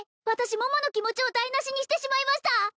私桃の気持ちを台なしにしてしまいました